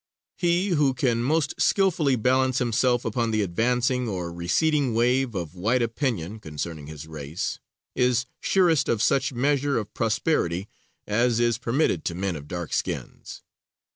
He who can most skilfully balance himself upon the advancing or receding wave of white opinion concerning his race, is surest of such measure of prosperity as is permitted to men of dark skins.